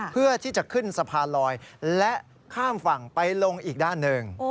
เพื่อที่จะขึ้นสะพานลอยและข้ามฝั่งไปลงอีกด้านหนึ่ง